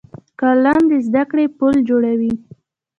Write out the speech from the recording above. قلم د زده کړې پل جوړوي